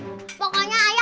gak mau tau ayo